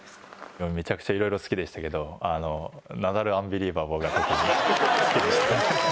めちゃくちゃいろいろ好きでしたけどナダル・アンビリバボーが特に好きでしたね。